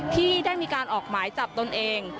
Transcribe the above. ที่ได้มีการออกหมายจับตนเอง